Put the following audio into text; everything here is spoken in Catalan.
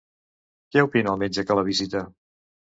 Què opina el metge que la visita?